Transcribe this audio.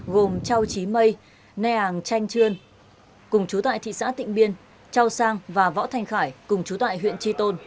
gồm châu chí mây neàng chanh chươn cùng chú tại thị xã tịnh biên châu sang và võ thanh khải cùng chú tại huyện tri tôn